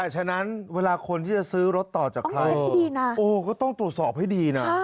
ฉะนั้นเวลาคนที่จะซื้อรถต่อจากใครก็ต้องตรวจสอบให้ดีนะ